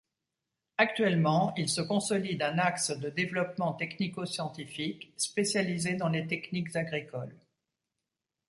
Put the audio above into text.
Actuellement, il se consolide un axe de développement technico-scientifique spécialisé dans les techniques agricoles.